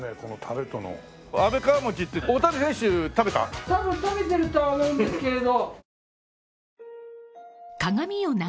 多分食べてるとは思うんですけれど。